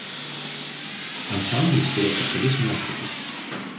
Ansamblis turi oficialius nuostatus.